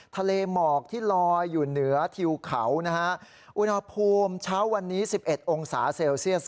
ทะเลหมอกที่ลอยอยู่เหนือทิวเขานะฮะอุณหภูมิเช้าวันนี้๑๑องศาเซลเซียส